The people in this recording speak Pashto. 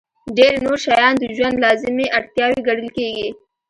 ډېر نور شیان د ژوند لازمي اړتیاوې ګڼل کېږي.